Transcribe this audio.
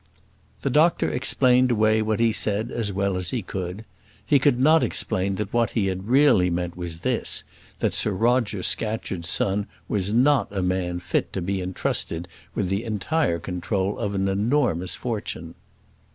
The doctor explained away what he said as well as he could. He could not explain that what he had really meant was this, that Sir Roger Scatcherd's son was not a man fit to be trusted with the entire control of an enormous fortune.